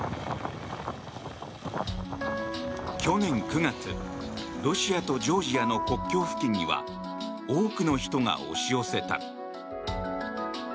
去年９月、ロシアとジョージアの国境付近には多くの人が押し寄せた。